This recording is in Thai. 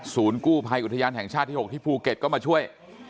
กู้ภัยอุทยานแห่งชาติที่๖ที่ภูเก็ตก็มาช่วย